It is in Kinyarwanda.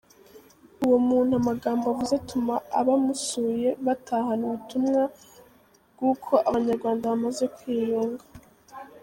Uwo muntu amagambo avuze atuma abamusuye batahana ubutumwa bw’uko Abanyarwanda bamaze kwiyunga.